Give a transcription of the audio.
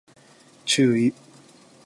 注意